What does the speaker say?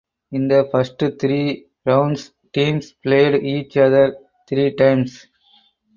In the first three rounds teams played each other three times.